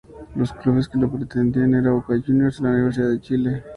Los clubes que lo pretendían era Boca Juniors y la Universidad de Chile.